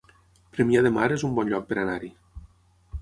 Premià de Mar es un bon lloc per anar-hi